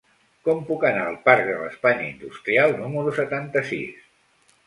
Com puc anar al parc de l'Espanya Industrial número setanta-sis?